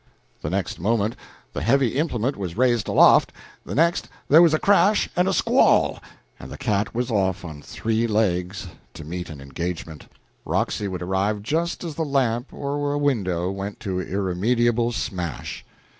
The next moment the heavy implement was raised aloft; the next, there was a crash and a squall, and the cat was off on three legs to meet an engagement; Roxy would arrive just as the lamp or a window went to irremediable smash.